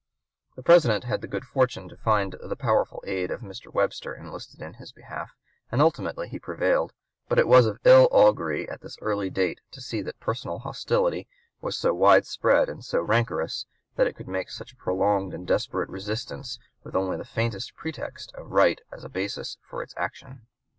The President had the good fortune to find the powerful aid of Mr. Webster enlisted in his behalf, and ultimately he prevailed; but it was of ill augury at this early date to see that personal hostility was so widespread and so rancorous that it could make such a prolonged and desperate resistance with only the faintest pretext of right as a basis for its action.